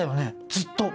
ずっと。